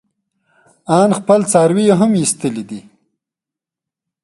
ان خپل څاروي يې هم ايستلي دي.